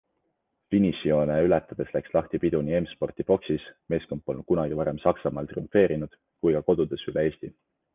Finišijoone ületades läks lahti pidu nii M-Sporti boksis -meeskond polnud kunagi varem Saksamaal triumfeerinud - kui ka kodudes üle Eesti.